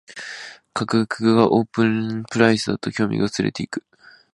価格がオープンプライスだと興味が薄れていく